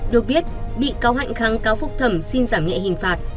được biết bị cáo hạnh kháng cáo phúc thẩm xin giảm nhẹ hình phạt